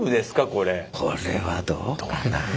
これはどうかな？